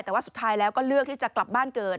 แต่ว่าสุดท้ายแล้วก็เลือกที่จะกลับบ้านเกิด